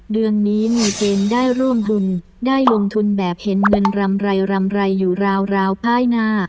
เดือนนี้มีเกณฑ์ได้ร่วมบุญได้ลงทุนแบบเห็นเงินรำไรรำไรอยู่ราวภายหน้า